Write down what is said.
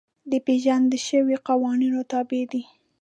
د پېژندل شویو قوانینو تابع دي.